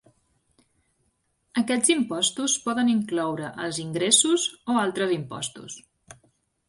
Aquests impostos poden incloure els ingressos o altres impostos.